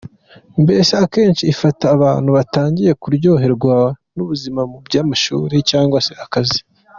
Mbese akenshi ifata abantu batangiye kuryoherwa n’ubuzima mu by’amashuri cyangwa se akazi.